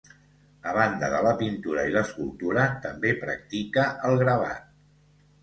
A banda de la pintura i l'escultura, també practica el gravat.